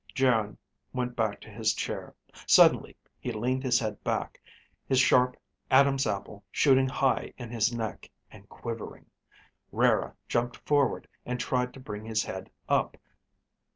Geryn went back to his chair. Suddenly he leaned his head back, his sharp Adam's apple shooting high in his neck and quivering. Rara jumped forward and tried to bring his head up.